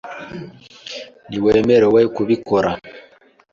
Ntiwemerewe kubikora .